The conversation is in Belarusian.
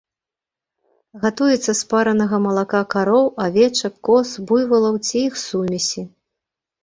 Гатуецца з паранага малака кароў, авечак, коз, буйвалаў ці іх сумесі.